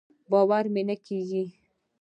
باور مې نۀ کېږي.